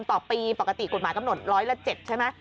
ต่อปีปกติกฎหมายกำหนดร้อยละ๗ใช่ไหม